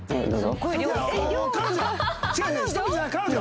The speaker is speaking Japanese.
彼女！